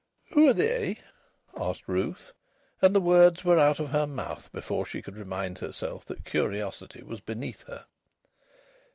"Who are they?" asked Ruth, and the words were out of her mouth before she could remind herself that curiosity was beneath her.